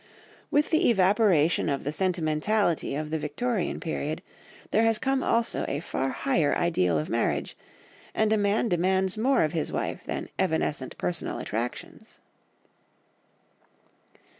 With the evaporation of the sentimentality of the Victorian period there has come also a far higher ideal of marriage, and a man demands more of his wife than evanescent personal attractions.